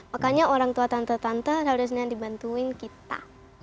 makanya orang tua tante tante harusnya dibantuin kita